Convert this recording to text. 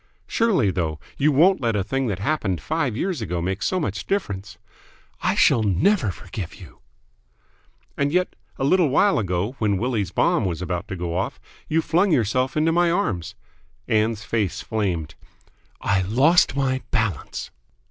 "Surely, though, you won't let a thing that happened five years ago make so much difference?" "I shall never forgive you!" "And yet, a little while ago, when Willie's bomb was about to go off, you flung yourself into my arms!" Ann's face flamed. "I lost my balance."